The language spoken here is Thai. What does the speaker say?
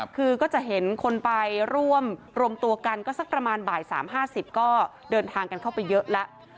คือก็จะเห็นคนไปร่วมรวมตัวกันก็สักประมาณบ่าย๓๕๐ก็เดินทางกันเข้าไปเยอะแล้ว